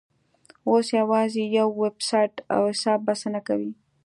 اوس یوازې یو ویبسایټ او حساب بسنه کوي.